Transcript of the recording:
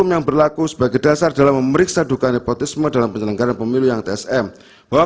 yang berlaku sebagai dasar dalam memeriksa duka nepotisme dalam penyelenggaran pemilu yang tsm bahwa